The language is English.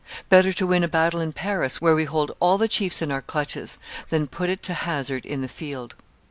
Better to win a battle in Paris, where we hold all the chiefs in our clutches, than put it to hazard in the field.